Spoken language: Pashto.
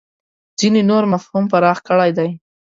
ځینې نور مفهوم پراخ کړی دی.